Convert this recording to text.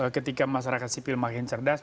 ketika masyarakat sipil makin cerdas